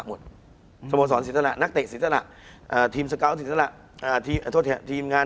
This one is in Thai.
คุณผู้ชมบางท่าอาจจะไม่เข้าใจที่พิเตียร์สาร